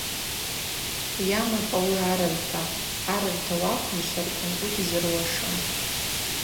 Йамапӏ ауи арырта, арырта Уаквымшварквын угьзыруашым.